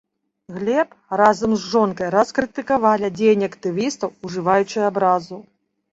Глеб разам з жонкай раскрытыкавалі дзеянні актывістаў, ужываючы абразу.